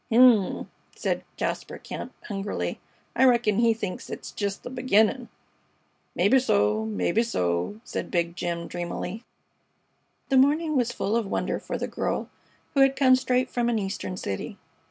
"H'm!" said Jasper Kemp, hungrily. "I reck'n he thinks it's jes' th' beginnin'!" "Maybe so! Maybe so!" said Big Jim, dreamily. The morning was full of wonder for the girl who had come straight from an Eastern city.